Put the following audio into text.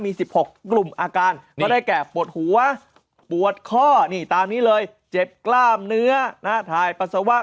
มี๑๖กลุ่มอาการก็ได้แก่ปวดหัวปวดข้อนี่ตามนี้เลยเจ็บกล้ามเนื้อถ่ายปัสสาวะ